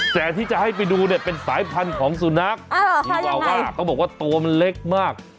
แต่ที่จะให้ไปดูเป็นสายพันธุ์ของสุนัขตัวมันเล็กมาก